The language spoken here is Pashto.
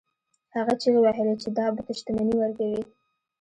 هغه چیغې وهلې چې دا بت شتمني ورکوي.